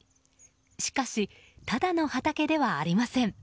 しかし、ただの畑ではありません。